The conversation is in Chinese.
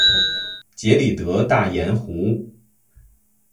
杰里德大盐湖。